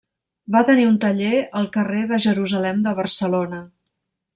Va tenir un taller al carrer de Jerusalem de Barcelona.